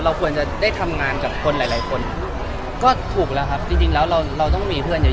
เราควรจะได้ทำงานกับคนหลายคนก็ถูกละครับจริงแล้วเราต้องมีเพื่อนเยอะ